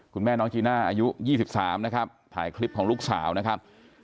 คุณแม่น้องจีน่าอายุ๒๓นะครับถ่ายคลิปของลูกสาวนะครับ